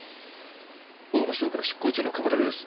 法務省から出向中の冠城です。